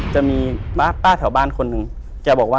ละต่างส์